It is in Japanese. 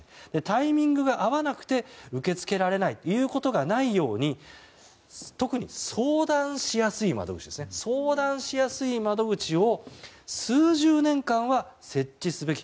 タイミングが合わなくて受け付けられないということがないように特に相談しやすい窓口を数十年間は設置すべき。